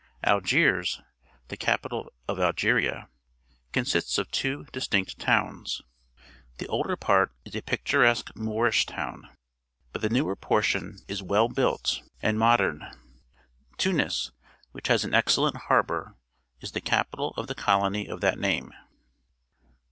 Algiers, the capital of Algeria, consists of two distinct towns. The older part is a picturesque Moorish town, but the newer portion is well built and modern. Tunis, which has an excellent harbour, is the capital of the colony of that name.